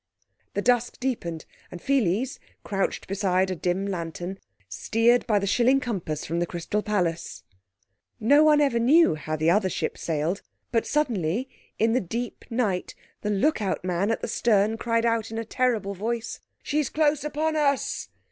The dusk deepened, and Pheles, crouched beside a dim lantern, steered by the shilling compass from the Crystal Palace. No one ever knew how the other ship sailed, but suddenly, in the deep night, the look out man at the stern cried out in a terrible voice— "She is close upon us!"